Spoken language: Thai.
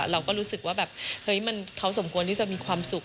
เราก็รู้สึกว่าแบบเฮ้ยเขาสมควรที่จะมีความสุข